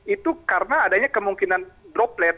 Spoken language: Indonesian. itu karena adanya kemungkinan droplet atau cairan yang terlontar